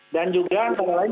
dan juga antara lain